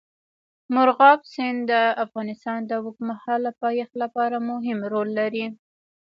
مورغاب سیند د افغانستان د اوږدمهاله پایښت لپاره مهم رول لري.